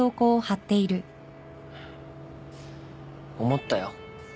思ったよ